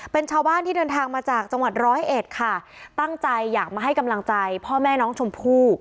เป็นชาวบ้านที่เดินทางมาจากจังหวัดร้อยเอ็ดค่ะตั้งใจอยากมาให้กำลังใจพ่อแม่น้องชมพู่